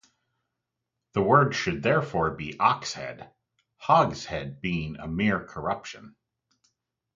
The word should therefore be "oxhead", "hogshead" being a mere corruption.